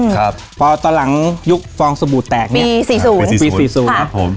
ครับพอตอนหลังยุคฟองสบู่แตกเนี่ยปีสี่ศูนย์ปีสี่ศูนย์ครับผม